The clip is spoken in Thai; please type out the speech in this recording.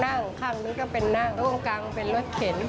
ข้างนี้ก็เป็นนั่งร่วงกลางเป็นรถเข็น